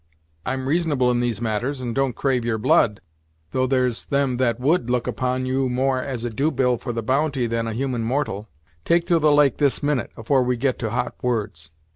I'm reasonable in these matters, and don't crave your blood, though there's them about that would look upon you more as a due bill for the bounty than a human mortal. Take to the lake this minute, afore we get to hot words."